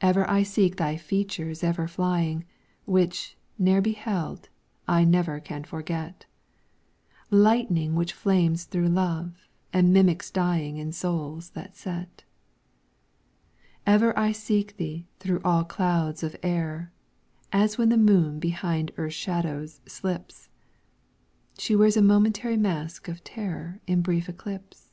Ever I seek Thy features ever flying, Which, ne'er beheld, I never can forget: Lightning which flames through love, and mimics dying In souls that set. Ever I seek Thee through all clouds of error; As when the moon behind earth's shadow slips, She wears a momentary mask of terror In brief eclipse.